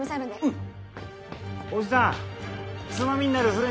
うん。